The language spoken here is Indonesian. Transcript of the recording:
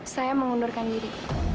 saya mengundurkan diri